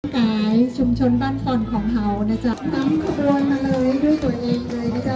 กายชุมชนบ้านฝ่อนของเขานะจ๊ะตั้งครบรวมมาเลยด้วยตัวเองเลยนะจ๊ะ